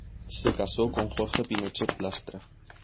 Se casó con Jorge Pinochet Lastra.